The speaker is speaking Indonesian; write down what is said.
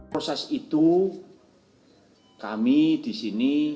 proses itu kami di sini